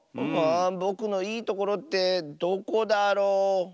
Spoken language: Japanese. あぼくのいいところってどこだろ？